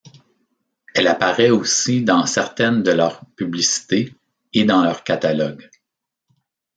Elle apparaît aussi dans certaines de leurs publicités, et dans leurs catalogues.